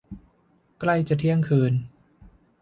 ใกล้จะเที่ยงคืน